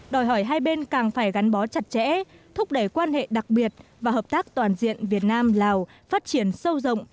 đòi hỏi hai bên càng phải gắn bó chặt chẽ thúc đẩy quan hệ đặc biệt và hợp tác toàn diện việt nam lào phát triển sâu rộng